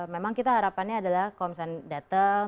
memang kita harapannya adalah kalau misalnya datang